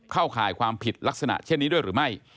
ข่ายความผิดลักษณะเช่นนี้ด้วยหรือไม่